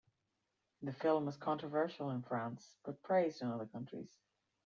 The film was controversial in France but praised in other countries.